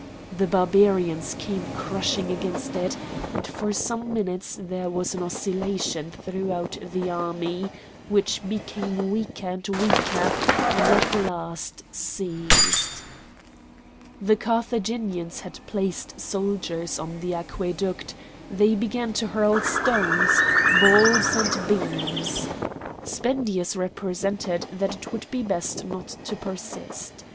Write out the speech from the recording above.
The Barbarians came crushing against it;—and for some minutes there was an oscillation throughout the army, which became weaker and weaker, and at last ceased. The Carthaginians had placed soldiers on the aqueduct, they began to hurl stones, balls, and beams. Spendius represented that it would be best not to persist.